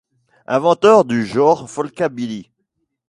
Inventeur du genre folkabilly.